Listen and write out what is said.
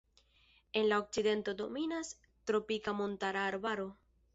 En la okcidento dominas tropika montara arbaro.